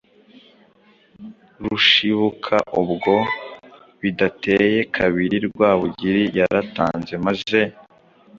rushibuka ubwo. Bidateye kabiri Rwabugili yaratanze maze